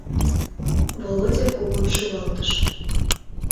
Володя кугун шӱлалтыш.